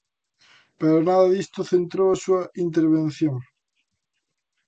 Pero nada disto centrou a súa intervención.